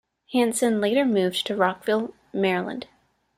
Hanson later moved to Rockville, Maryland.